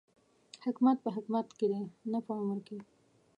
حکمت په حکمت کې دی، نه په عمر کې